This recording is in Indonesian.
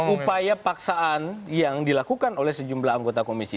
upaya paksaan yang dilakukan oleh sejumlah anggota komisi